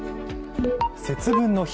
節分の日。